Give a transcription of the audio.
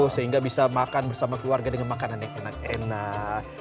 sehingga bisa makan bersama keluarga dengan makanan yang enak enak